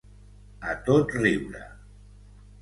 A tot riure.